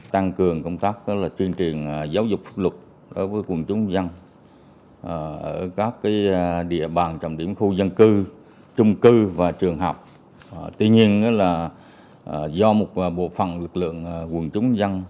tuy nhiên đó là do một bộ phận lực lượng quần chúng dân